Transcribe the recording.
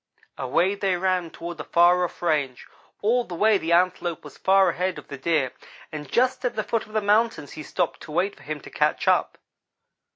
"Away they ran toward the far off range. All the way the Antelope was far ahead of the Deer; and just at the foot of the mountains he stopped to wait for him to catch up.